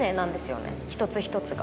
一つ一つが。